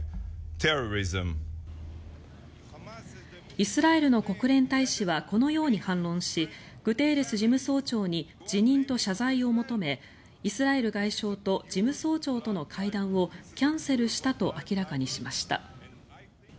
イスラエルの国連大使はこのように反論しグテーレス事務総長に辞任と謝罪を求めイスラエル外相と事務総長との会談をキャンセルしたと明らかにしました。